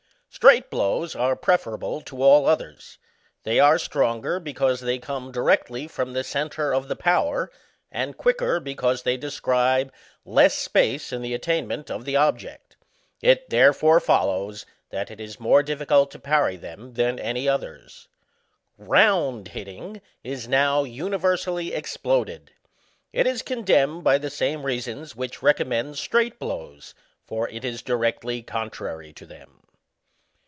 Straight blows are preferable to all others ; they arc stronger, because they come directly from the centre of the power, and quicker, because they describe less space in the attainment of the object, it there fore follows, that it is more diflScult to parry them than any others. Round hitting is now universally exploded ; it is condemned by the same reasons which recommend straight blows, for it is directly contrary to them.